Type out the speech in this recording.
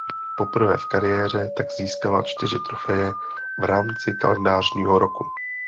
Poprvé v kariéře tak získala čtyři trofeje v rámci kalendářního roku.